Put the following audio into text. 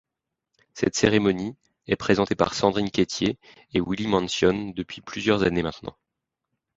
Cette cérémonie est présentée par Sandrine Quétier et Willy Mansion depuis plusieurs années maintenant.